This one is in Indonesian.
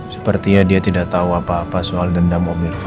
sepertinya dia tidak tau apa apa soal dendam om irfan